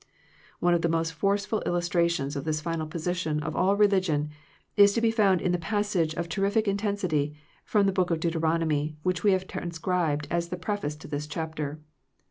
One of the most forceful illustrations of this final position ot all religion is to be found in the passage of terrific intensity from the Book of Deu teronomy, which we have transcribed as a preface to this chapter.